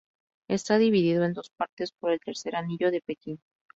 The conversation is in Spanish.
Está dividido en dos partes por el Tercer Anillo de Pekín.